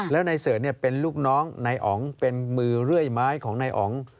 แล้วนายเสิร์ชเป็นลูกน้องนายอ๋องเป็นมือเรื่อยไม้ของนายอ๋อง